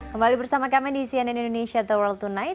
kembali bersama kami di cnn indonesia the world tonight